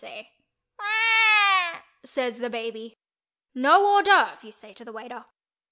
says the baby. "No hors d'œuvres," you say to the waiter.